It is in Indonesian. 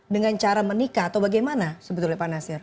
dengan cara menikah atau bagaimana